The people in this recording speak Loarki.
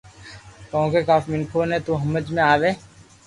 ڪونڪہ ڪافي مينکون ني تو ھمج مي آوي